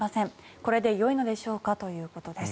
これでよいのでしょうかということです。